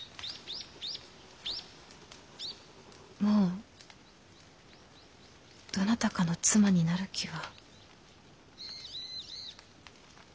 もうどなたかの妻になる気は。